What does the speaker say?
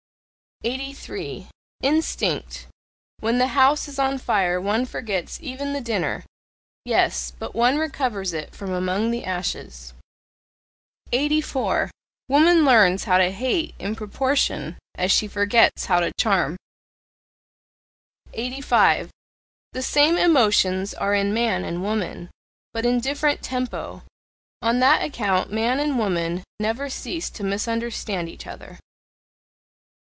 83. INSTINCT When the house is on fire one forgets even the dinner Yes, but one recovers it from among the ashes. 84. Woman learns how to hate in proportion as she forgets how to charm. 85. The same emotions are in man and woman, but in different TEMPO, on that account man and woman never cease to misunderstand each other.